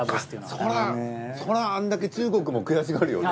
そりゃそりゃあんだけ中国も悔しがるよね。